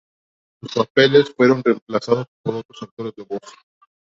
Sus papeles fueron reemplazados por otros actores de voz.